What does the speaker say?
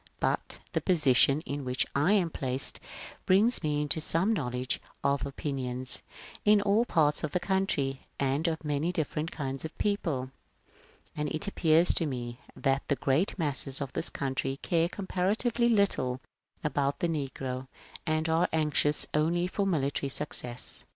But the position in which I am placed brings me into some knowledge of opinions in all parts of the country and of many different kinds of people ; and it appears to me that the great masses of this country care comparatively little about the negro, and are anxious only for military successes."